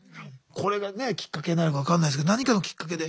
これがきっかけになるか分かんないですけど何かのきっかけで。